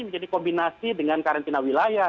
menjadi kombinasi dengan karantina wilayah